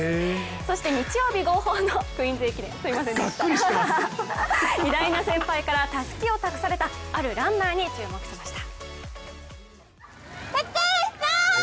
そして日曜日号砲のクイーンズ駅伝、偉大な先輩からたすきを託されたあるランナーに注目しました。